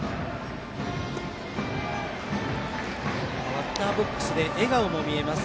バッターボックスで笑顔も見えます。